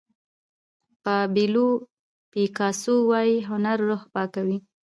پابلو پیکاسو وایي هنر روح پاکوي.